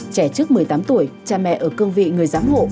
trẻ trước một mươi tám tuổi cha mẹ ở cương vị người giám hộ